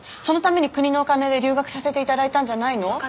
そのために国のお金で留学させて頂いたんじゃないの？